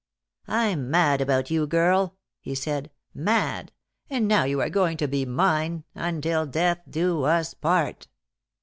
"I'm mad about you, girl," he said. "Mad. And now you are going to be mine, until death do us part."